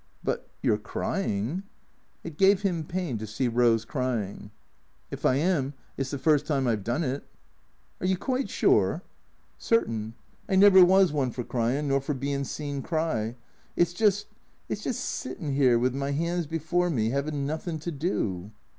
" But — you 're crying." It gave him pain to see Rose crying. " If I am it 's the first time I 've done it." " Are you quite sure ?" THE CREATORS 131 " Certain. I never was one for cryin', nor for bein' seen cry. It 's just — it 's just sittin' here with me "ands before me, havin' nothing to do."